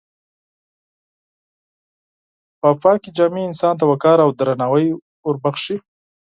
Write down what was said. پاکې جامې انسان ته وقار او درناوی وربښي.